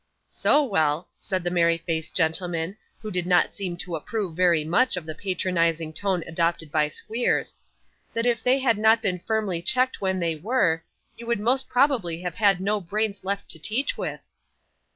'So well,' said the merry faced gentleman, who did not seem to approve very much of the patronising tone adopted by Squeers, 'that if they had not been firmly checked when they were, you would most probably have had no brains left to teach with.